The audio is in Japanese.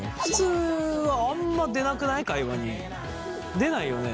でないよね。